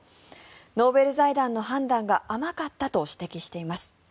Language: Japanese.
ノーベル財団の判断が甘かったと指摘しています。